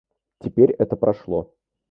Теперь это прошло.